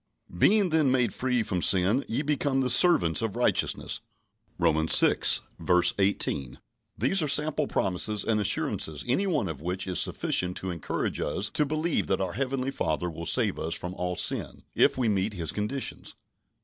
"Being then made free from sin, ye became the servants of righteousness" (Romans vi. 18). These are sample promises and assurances any one of which is sufficient to encourage us to believe that our Heavenly Father will save us from all sin, if we meet His conditions.